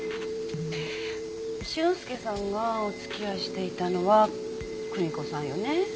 俊介さんがお付き合いしていたのは久美子さんよね。